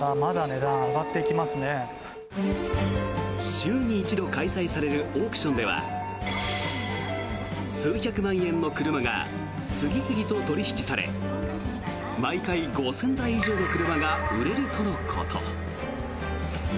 週に１度、開催されるオークションでは数百万円の車が次々と取引され毎回５０００台以上の車が売れるとのこと。